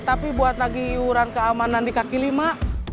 tapi buat lagi iuran keamanan di kaki lima